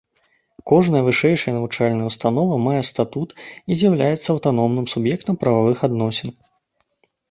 Кожная вышэйшая навучальная ўстанова мае статут і з'яўляецца аўтаномным суб'ектам прававых адносін.